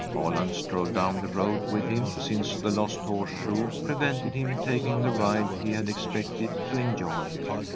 Holland strolled down the road with him, since the lost horseshoe prevented him taking the ride he had expected to enjoy.